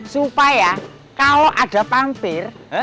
supaya kalau ada vampir